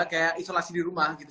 kayak isolasi di rumah gitu